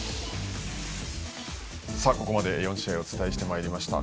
ここまで４試合をお伝えしてまいりました。